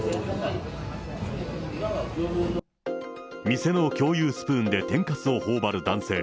店の共有スプーンで天かすをほおばる男性。